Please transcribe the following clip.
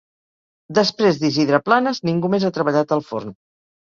Després d'Isidre Planes, ningú més ha treballat al forn.